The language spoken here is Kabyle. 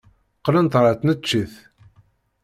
Qqlent ɣer tneččit.